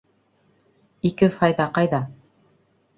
Ике файҙа ҡайҙа?